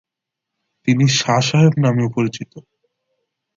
তিনি শাহ সাহেব নামেও পরিচিত।